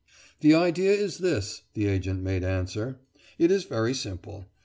"The idea is this," the agent made answer; "it is very simple.